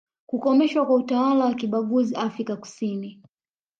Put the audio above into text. kukomeshwa kwa utawala wa kibaguzi Afrika kusini